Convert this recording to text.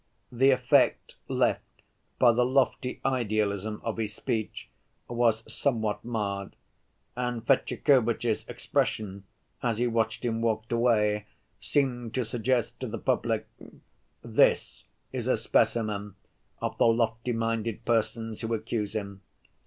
The effect left by the lofty idealism of his speech was somewhat marred, and Fetyukovitch's expression, as he watched him walk away, seemed to suggest to the public "this is a specimen of the lofty‐minded persons who accuse him."